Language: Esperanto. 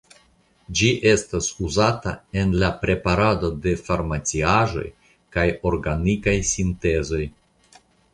Ĝi estas uzata en la preparado de farmaciaĵoj kaj organikaj sintezoj.